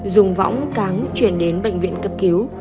dùng võng cáng chuyển đến bệnh viện cấp cứu